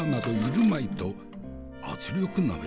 圧力鍋？